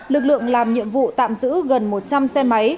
lực lượng làm nhiệm vụ tạm giữ gần một trăm linh xe máy